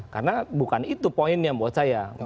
karena bukan itu poinnya buat saya